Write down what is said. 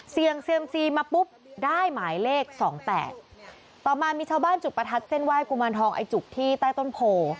เสียงเสียมซีมาปุ๊บได้หมายเลข๒๘ต่อมามีชาวบ้านจุกประทัดเส้นว่ายกุมาลทองไอ้จุกที่ใต้ต้นโผล่